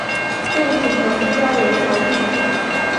便请求出家成为佛弟子。